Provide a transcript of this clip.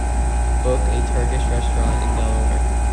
book a turkish restaurant in Delaware